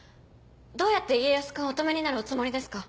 どうやって家康君をお止めになるおつもりですか？